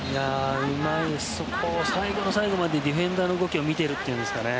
最後の最後までディフェンダーの動きを見ているっていうんですかね。